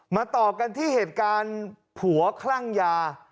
ต่อกันที่เหตุการณ์ผัวคลั่งยา